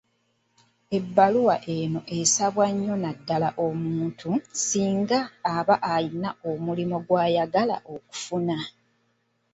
Ebbaluwa eno esabwa nnyo naddala omuntu singa aba alina omulimu gw'ayagala okufuna.